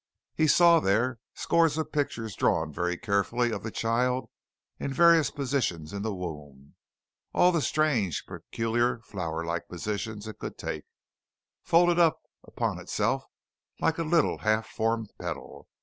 He saw there scores of pictures drawn very carefully of the child in various positions in the womb all the strange, peculiar, flower like positions it could take, folded in upon itself like a little half formed petal.